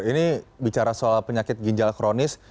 ini bicara soal penyakit ginjal kronis